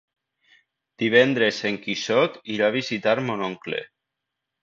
Divendres en Quixot irà a visitar mon oncle.